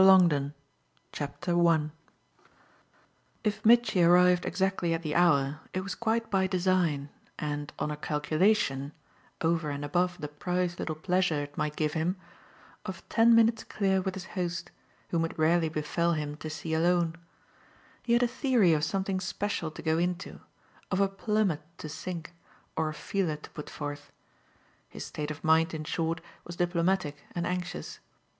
LONGDON If Mitchy arrived exactly at the hour it was quite by design and on a calculation over and above the prized little pleasure it might give him of ten minutes clear with his host, whom it rarely befell him to see alone. He had a theory of something special to go into, of a plummet to sink or a feeler to put forth; his state of mind in short was diplomatic and anxious.